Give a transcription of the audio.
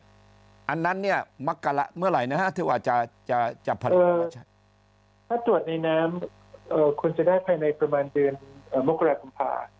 อันนั้นเนี่ยเมื่อไหร่นะฮะถ้าตรวจในน้ำคุณจะได้ภายในประมาณเดือนมกราภัมภา